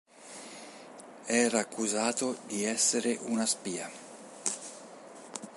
Era accusato di essere una spia.